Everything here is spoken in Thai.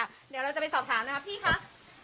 เดี๋ยวเราจะไปสอบถามนะครับพี่คะ